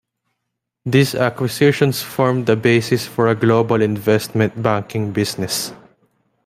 These acquisitions formed the basis for a global investment banking business.